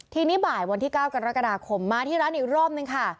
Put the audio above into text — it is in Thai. ทีนี้บ่ายวันที่๙กรกฎาคมมาที่ร้านอีกรอบนึงค่ะ